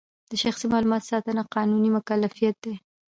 د شخصي معلوماتو ساتنه قانوني مکلفیت دی.